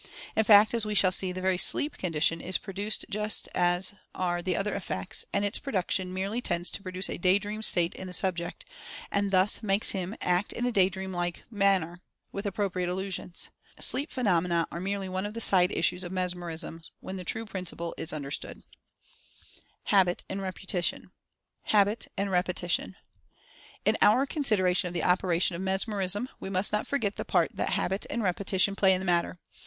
In fact, as we shall see, the very "sleep" condition is produced just as are the other effects, and its production merely tends to produce a "day dream" state in the subject, and thus makes him act in a day dreamlike manner, with appropriate illusions. Sleep phenomena are merely one of the "side issues" of Mesmerism, when the true principle is understood. HABIT AND REPETITION. In our consideration of the operation of Mesmerism we must not forget the part that habit and repetition play in the matter.